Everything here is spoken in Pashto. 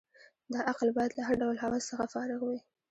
دا عقل باید له هر ډول هوس څخه فارغ وي.